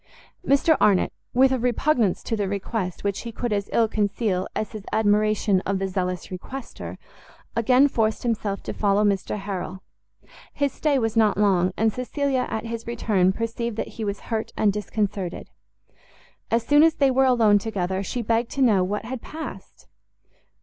Mr Arnott, with a repugnance to the request which he could as ill conceal as his admiration of the zealous requester, again forced himself to follow Mr Harrel. His stay was not long, and Cecilia at his return perceived that he was hurt and disconcerted. As soon as they were alone together, she begged to know what had passed?